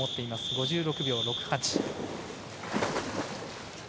５６秒６８。